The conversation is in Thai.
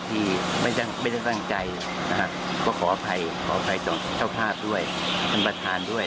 ที่ไม่ได้ตั้งใจนะครับก็ขออภัยขออภัยต่อเจ้าภาพด้วยท่านประธานด้วย